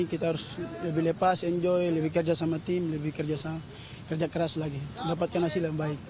kita harus lebih lepas enjoy lebih kerja sama tim lebih kerja keras lagi dapatkan hasil yang baik